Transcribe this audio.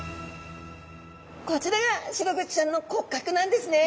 こちらがシログチちゃんの骨格なんですね。